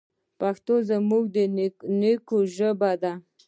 پښتو زموږ د نیکونو ژبه ده.